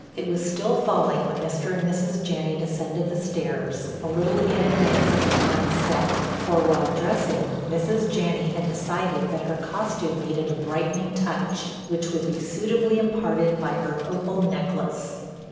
It was still falling when Mr. and Mrs. Janney descended the stairs, a little in advance of the time set, for, while dressing, Mrs. Janney had decided that her costume needed a brightening touch, which would be suitably imparted by her opal necklace.